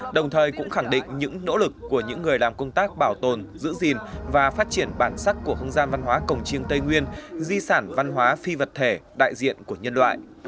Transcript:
đồng thời cũng khẳng định những nỗ lực của những người làm công tác bảo tồn giữ gìn và phát triển bản sắc của không gian văn hóa cổng chiêng tây nguyên di sản văn hóa phi vật thể đại diện của nhân loại